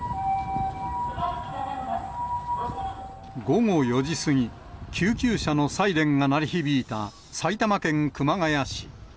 午後４時過ぎ、救急車のサイレンが鳴り響いた埼玉県熊谷市。